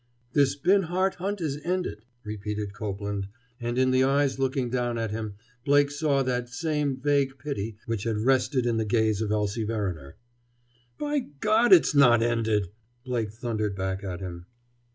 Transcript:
"This Binhart hunt is ended," repeated Copeland, and in the eyes looking down at him Blake saw that same vague pity which had rested in the gaze of Elsie Verriner. "By God, it's not ended!" Blake thundered back at him.